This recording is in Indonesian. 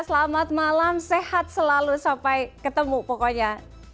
selamat malam sehat selalu sampai ketemu pokoknya